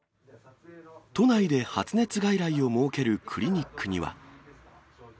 都内で発熱外来を設けるクリニックには。